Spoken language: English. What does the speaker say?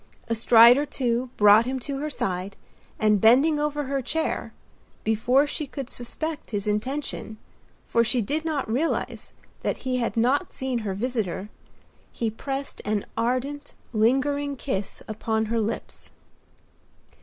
A stride or two brought him to her side, and bending over her chair—before she could suspect his intention, for she did not realize that he had not seen her visitor—he pressed an ardent, lingering kiss upon her lips.